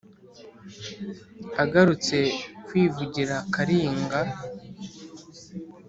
agarutse kwivugira karinga